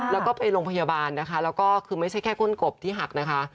แล้วก็ไปโรงพยาบาลนะคะแล้วก็คือไม่ใช่แค่ก้นกบที่หักนะคะ